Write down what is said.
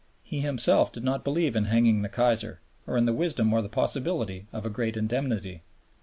He himself did not believe in hanging the Kaiser or in the wisdom or the possibility of a great indemnity.